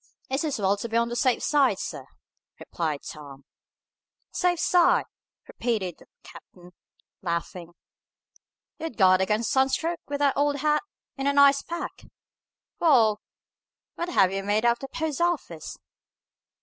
"It's as well to be on the safe side, sir," replied Tom. "Safe side!" repeated the captain, laughing. "You'd guard against a sun stroke, with that old hat, in an Ice Pack. Wa'al! What have you made out at the Post office?"